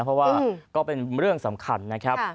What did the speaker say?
เพราะว่าก็เป็นเรื่องสำคัญนะครับ